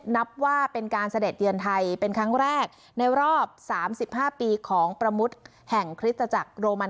นับว่าเป็นการเสด็จเยือนไทยเป็นครั้งแรกในรอบ๓๕ปีของประมุติแห่งคริสตจักรโรมัน